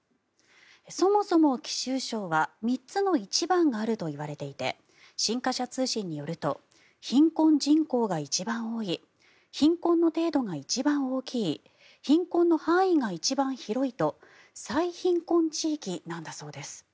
そもそも貴州省は３つの一番があるといわれていて新華社通信によると貧困人口が一番多い貧困の程度が一番大きい貧困の範囲が一番広いと最貧困地域なんだそうです。